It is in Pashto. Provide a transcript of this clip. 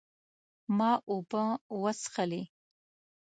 ما اوبه وڅښلې